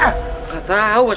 gak tau bos